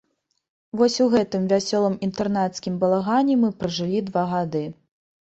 Вось у гэтым вясёлым інтэрнацкім балагане мы пражылі два гады.